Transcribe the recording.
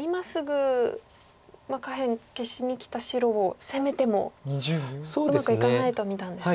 今すぐ下辺消しにきた白を攻めてもうまくいかないと見たんですか。